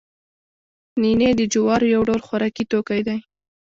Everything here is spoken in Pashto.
نینې د جوارو یو ډول خوراکي توکی دی